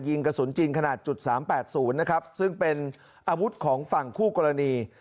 ยิงกระสุนจินขนาดจุด๓๘๐นะครับซึ่งเป็นอาวุธของฝั่งคู่กรณี